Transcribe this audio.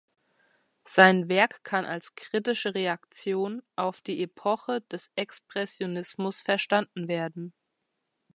Sein Werk kann als kritische Reaktion auf die Epoche des Expressionismus verstanden werden.